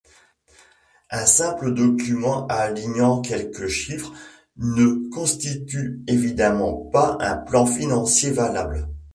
Un simple document alignant quelques chiffres ne constitue évidemment pas un plan financier valable.